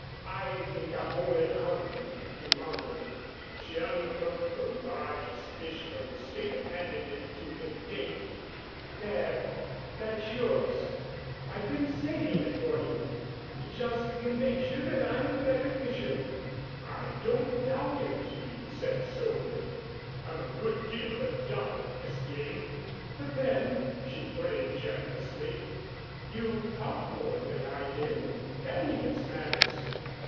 "I think I'm only hungry," he mumbled. She unhooked the largest fish from the stick and handed it to him daintily. "There, that's yours. I've been saving it for you just to convince you that I'm the better fisherman." "I don't doubt it," he said soberly. "I'm a good deal of a duffer at this game." "But then," she put in generously, "you caught more than I did, and that evens matters."